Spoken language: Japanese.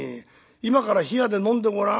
今から冷やで飲んでごらん。